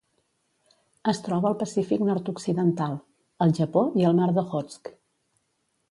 Es troba al Pacífic nord-occidental: el Japó i el mar d'Okhotsk.